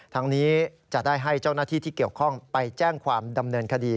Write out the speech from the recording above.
ทั้งนี้จะได้ให้เจ้าหน้าที่ที่เกี่ยวข้องไปแจ้งความดำเนินคดี